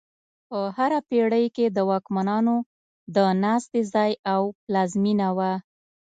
په هره پېړۍ کې د واکمنانو د ناستې ځای او پلازمینه وه.